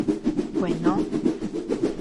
Kuenó.